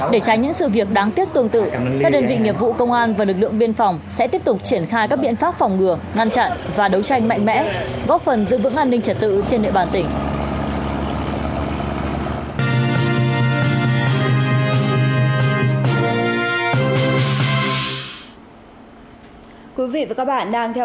để tránh những sự việc đáng tiếc tương tự các đơn vị nghiệp vụ công an và lực lượng biên phòng sẽ tiếp tục triển khai các biện pháp phòng ngừa ngăn chặn và đấu tranh mạnh mẽ góp phần giữ vững an ninh trả tự trên địa bàn tỉnh